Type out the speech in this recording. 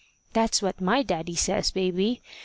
That's what my daddy says, baby.